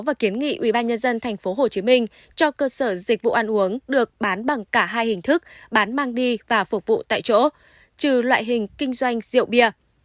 và kiến nghị ubnd tp hcm cho cơ sở dịch vụ ăn uống được bán bằng cả hai hình thức bán mang đi và phục vụ tại chỗ trừ loại hình kinh doanh rượu bia